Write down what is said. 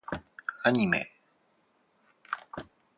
アニメ